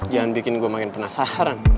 jangan bikin gue makin penasaran